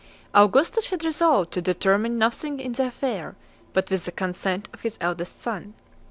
Augustus had resolved to determine nothing in the affair, but with the consent of his eldest son.